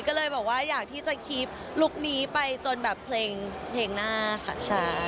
ก็เลยบอกว่าอยากที่จะคีบลุคนี้ไปจนแบบเพลงหน้าค่ะใช่